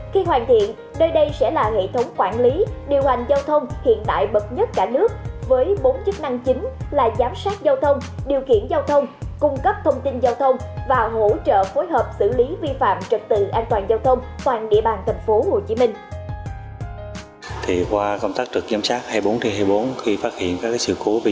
khi hoàn thiện nơi đây sẽ là hệ thống quản lý điều hành giao thông hiện đại bậc nhất cả nước với bốn chức năng chính là giám sát giao thông điều kiện giao thông cung cấp thông tin giao thông và hỗ trợ phối hợp xử lý vi phạm trật tự an toàn giao thông toàn địa bàn thành phố hồ chí minh